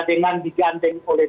dengan digandeng oleh lima